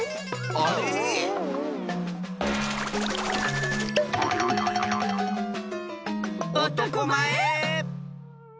あれ⁉おとこまえ！